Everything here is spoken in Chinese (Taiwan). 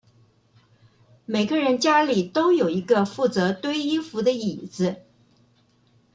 每個人家裡都有一個負責堆衣服的椅子